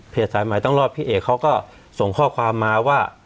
สายใหม่ต้องรอดพี่เอกเขาก็ส่งข้อความมาว่า